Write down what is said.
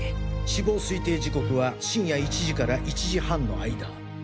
死亡推定時刻は深夜１時から１時半の間。